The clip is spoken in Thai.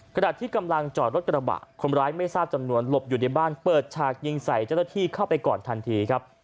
ขณะที่กำลังจอดรถกระบะคนร้ายไม่ทราบจำนวนหลบอยู่ในบ้านเปิดฉากยิงใส่เจ้าหน้าที่เข้าไปก่อนทันทีครับ